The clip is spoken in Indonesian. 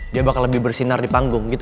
dia bakal lebih bersinar di panggung gitu